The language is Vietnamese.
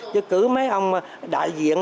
chứ cứ mấy ông đại diện